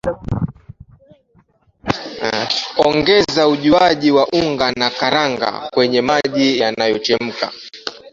Ongeza ujiuji wa unga na karanga kwenye maji yanayochemka